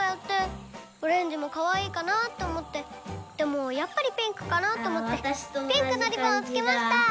オレンジもかわいいかなって思ってでもやっぱりピンクかなって思ってピンクのリボンをつけました！